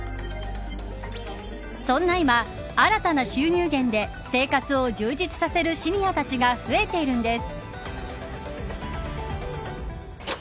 そんな今新たな収入源で生活を充実させるシニアたちが増えているんです。